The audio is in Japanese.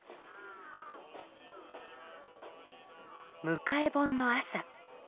迎え盆の朝。